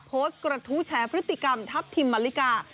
โพสต์กระทู้แชร์พฤติกรรมทัพทิมมาลิกา